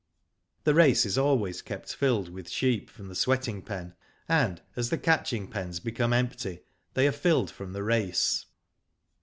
The race is always kept filled with sheep from the sweating pen, and, as the catching pens be come empty, they are filled from the race.